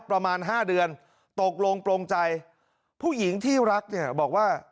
ประมาณห้าเดือนตกลงโปรงใจผู้หญิงที่รักเนี่ยบอกว่า